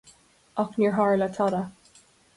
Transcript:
Ach níor tharla tada.